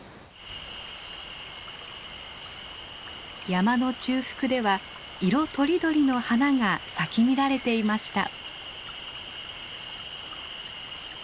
山の中腹では色とりどりの花が咲き乱れていました。